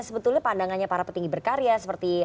sebetulnya pandangannya para petinggi berkarya seperti